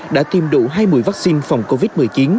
đã tiêm đủ hai mươi vắc xin phòng covid một mươi chín